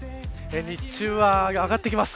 日中は上がってきます。